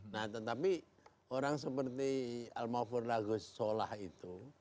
nah tetapi orang seperti al mawfur lagus solah itu